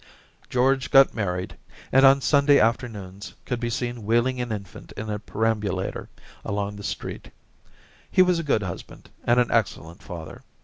George got married, and on Sunday afternoons could be seen wheeling an infant in a perambulator along the street. He was a good husband and an excellent father.